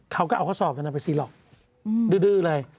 เขาก็เอาข้อสอบนั้นไปซีหลอกดื้อเลย